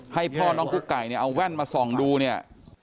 ให้พ่อน้องกุ๊กไก่เนี่ยเอาแว่นมาส่องดูเนี่ย